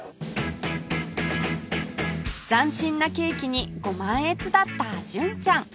斬新なケーキにご満悦だった純ちゃん